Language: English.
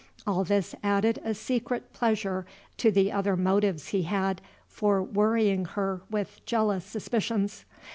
All this added a secret pleasure to the other motives he had for worrying her with jealous suspicions.